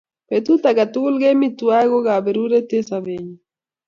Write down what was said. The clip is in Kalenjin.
Petut ake tukul kemi twai ko kaperuret eng' sobennyu.